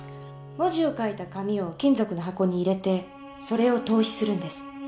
文字を書いた紙を金属の箱に入れてそれを透視するんです。